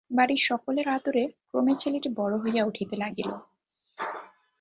বাড়ির সকলের আদরে ক্রমে ছেলেটি বড়ো হইয়া উঠিতে লাগিল।